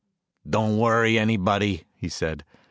"Don't worry, anybody," he said.